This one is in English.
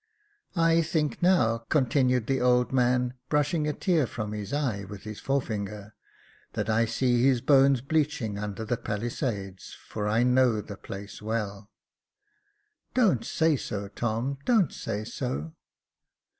I think now," continued the old man, brushing a tear from his eye with his fore finger, that I see his bones bleaching under the palisades j for I know the place well." " Don't say so, Tom ; don't say so